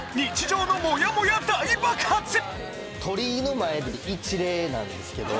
来週は鳥居の前で一礼なんですけど。